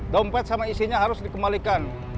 dompet sama isinya harus dikembalikan